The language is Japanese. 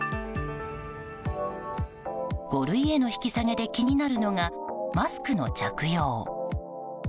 五類への引き下げで気になるのがマスクの着用。